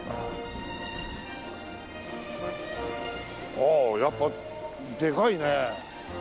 おおやっぱでかいね。